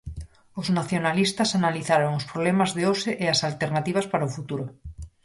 Os nacionalistas analizaron os problemas de hoxe e as alternativas para o futuro.